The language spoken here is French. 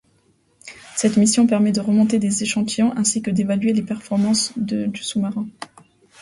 Cette mission permet de remonter des échantillons, ainsi que d'évaluer les performances du sous-marin.